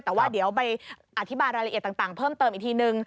แต่ว่าเดี๋ยวไปอธิบายรายละเอียดต่างเพิ่มเติมอีกทีนึง